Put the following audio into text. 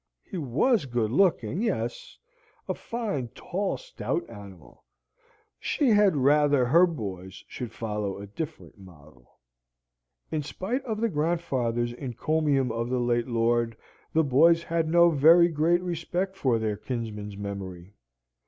He was good looking yes a fine tall stout animal; she had rather her boys should follow a different model. In spite of the grandfather's encomium of the late lord, the boys had no very great respect for their kinsman's memory.